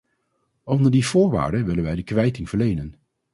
Onder die voorwaarden willen wij de kwijting verlenen.